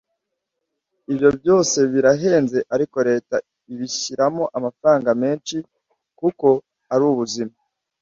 ibyo byose birahenze ariko Leta ibishyiramo amafaranga menshi kuko ari ubuzima